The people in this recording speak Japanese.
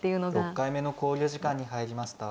６回目の考慮時間に入りました。